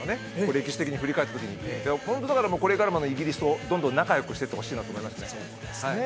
歴史的に振り返った時にホントだからこれからもイギリスとどんどん仲よくしていってほしいなと思いましたね